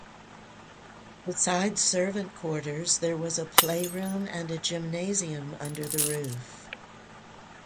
Beside servant quarters, there was a playroom and a gymnasium under the roof.